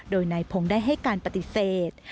โดยนายพงศ์ได้ให้การปฏิเสธ